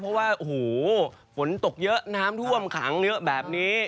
เพราะว่าโอ้โหฝนตกเยอะน้ำท่วมขังเยอะแบบนี้